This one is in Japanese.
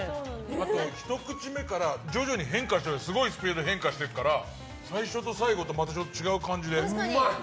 あと、ひと口目からすごいスピードで変化していくから最初と最後がまた違う感じで。